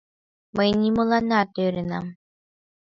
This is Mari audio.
Мый нимоланат ӧрынам.